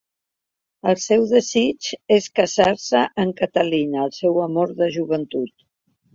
El seu desig és casar-se amb Catalina, el seu amor de joventut.